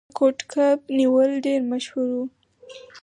د کوډ کب نیول ډیر مشهور و.